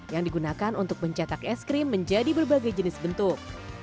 yang digunakan untuk mencetak es krim menjadi berbagai jenis bentuk